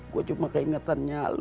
gua cuma keingetan nya lu